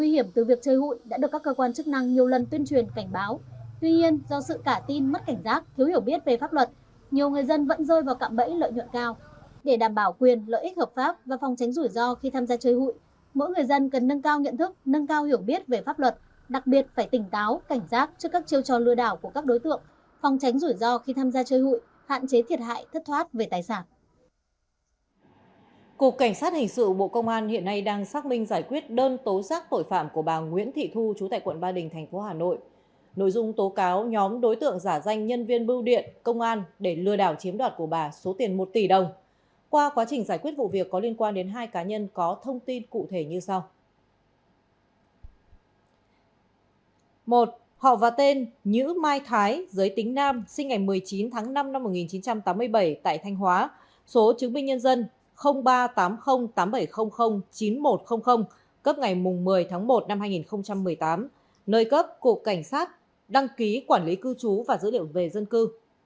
một họ và tên nhữ mai thái giới tính nam sinh ngày một mươi chín tháng năm năm một nghìn chín trăm tám mươi bảy tại thanh hóa số chứng minh nhân dân ba tám không tám bảy không không chín một không không cấp ngày một mươi tháng một năm hai nghìn một mươi tám nơi cấp cục cảnh sát đăng ký quản lý cư trú và dữ liệu về dân cư